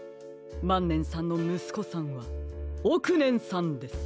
まんねんさんのむすこさんはおくねんさんです！